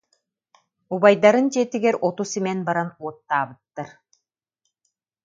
Убайдарын дьиэтигэр оту симэн баран уоттаабыттар